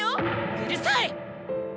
「うるさいっ！」。